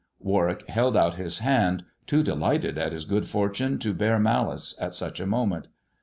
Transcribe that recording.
Warwick held out his hand, too delighted at his good fortune to bear malice at such a moment.